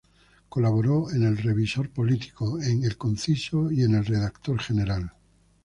Colaboró en el Revisor Político, en "El Conciso" y en "El Redactor General".